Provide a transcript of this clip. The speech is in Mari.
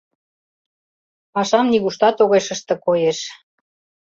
— Пашам нигуштат огеш ыште, коеш.